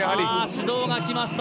指導がきました、